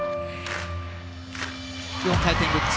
４回転ルッツ。